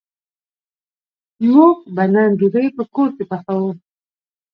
موږ به نن ډوډۍ په کور کی پخوو